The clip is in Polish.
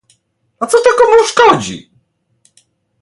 A co to komu szkodzi?